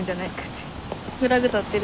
フラグ立ってるん？